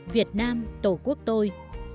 việt nam tổ quốc tôi